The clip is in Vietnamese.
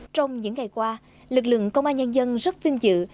trong những ngày qua lực lượng công an nhân dân rất vinh dự